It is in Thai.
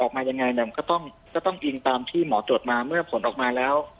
ออกมายังไงเนี่ยมันก็ต้องอิงตามที่หมอตรวจมาเมื่อผลออกมาแล้ว